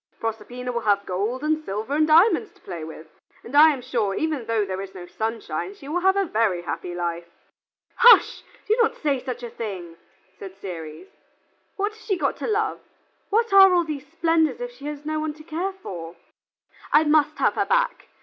Proserpina will have gold and silver and diamonds to play with, and I am sure even although there is no sunshine, she will have a very happy life." "Hush! do not say such a thing," said Ceres. "What has she got to love? What are all these splendors if she has no one to care for? I must have her back.